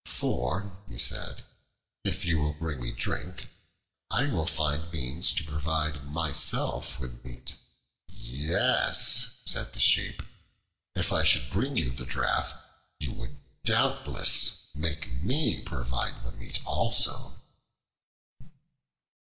"For," he said, "if you will bring me drink, I will find means to provide myself with meat." "Yes," said the Sheep, "if I should bring you the draught, you would doubtless make me provide the meat also."